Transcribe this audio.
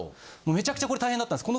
めちゃくちゃこれ大変だったんです。